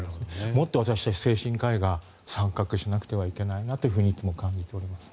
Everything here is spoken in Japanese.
もっと私たち精神科医が参画しないといけないなといつも感じております。